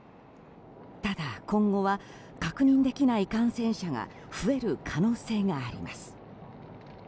ただ今後は確認できない感染者が増える可能性があります。